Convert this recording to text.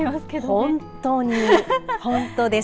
本当に、本当です。